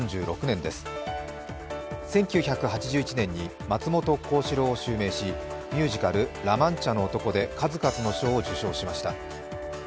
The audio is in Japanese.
１９８１年に松本幸四郎を襲名し、ミュージカル「ラ・マンチャの男」で数々の賞を受賞しました。